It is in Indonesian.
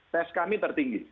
tes kami tertinggi